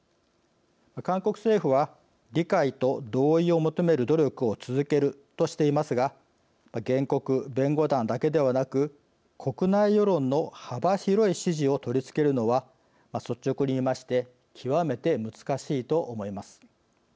韓国政府は理解と同意を求める努力を続けるとしていますが原告、弁護団だけではなく国内世論の幅広い支持を取り付けるのは率直に言いまして極めて難しいと思います。